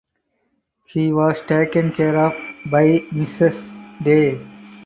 He was taken care of by Mrs Day.